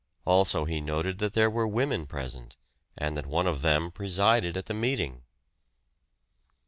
Also he noted that there were women present, and that one of them presided at the meeting.